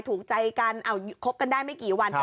ถูกใจกันคบกันได้ไม่กี่วัน